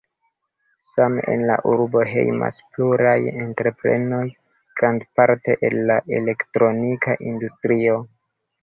Same en la urbo hejmas pluraj entreprenoj, grandparte el la elektronika industrio.